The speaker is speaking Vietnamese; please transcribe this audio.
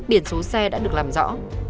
biển số xe đã được làm rõ